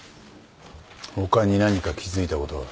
他に何か気付いたことは？